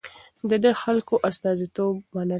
ده د خلکو استازي منل.